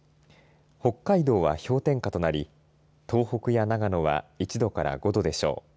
北海道は氷点下となり東北や長野は１度から５度でしょう。